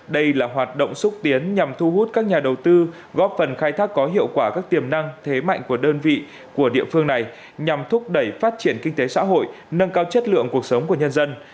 đây là hoạt động xúc tiến nhằm thu hút các nhà đầu tư góp phần khai thác có hiệu quả các tiềm năng thế mạnh của đơn vị của địa phương này nhằm thúc đẩy phát triển kinh tế xã hội nâng cao chất lượng cuộc sống của nhân dân